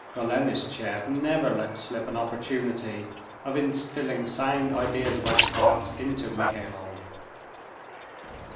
Golenishtchev never let slip an opportunity of instilling sound ideas about art into Mihailov.